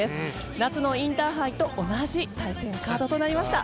夏のインターハイと同じ対戦カードとなりました。